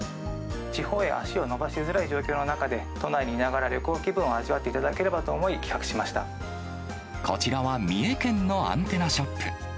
地方へ足を伸ばしづらい状況の中で、都内にいながら、旅行気分を味わっていただければと思い、こちらは三重県のアンテナショップ。